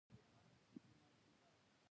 هغه هغې ته د صادق دریاب ګلان ډالۍ هم کړل.